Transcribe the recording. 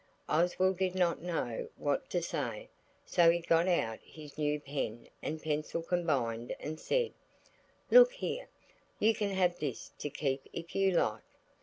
Oswald did not know what to say, so he got out his new pen and pencil combined and said– "Look here! You can have this to keep if you like."